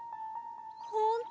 ほんと？